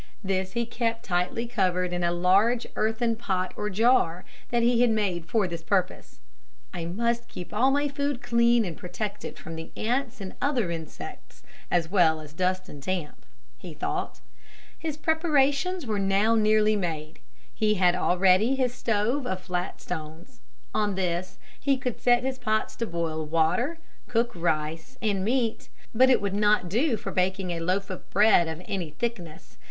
This he kept tightly covered in a large earthen pot or jar that he had made for this purpose. "I must keep all my food clean and protect it from the ants and other insects as well as dust and damp," he thought. His preparations were now nearly made. He had already his stove of flat stones. On this he could set his pots to boil water, cook rice, and meat, but it would not do for baking a loaf of bread of any thickness.